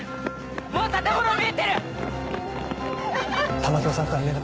もう建物見えてる！